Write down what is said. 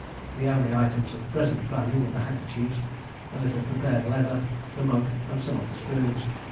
The only items of present value were the handkerchiefs, a little prepared leather, the mug, and some of the spoons.